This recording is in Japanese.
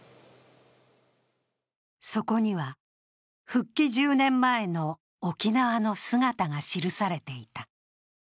そこには復帰１０年前の沖縄の姿が記されていた。